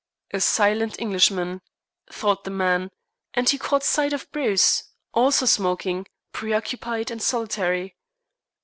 "A silent Englishman," thought the man; and he caught sight of Bruce, also smoking, preoccupied, and solitary.